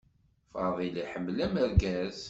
Fadil iḥemmel amergaz.